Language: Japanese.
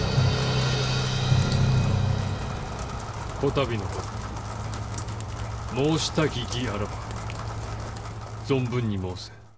此度のこと申したき儀あらば存分に申せ。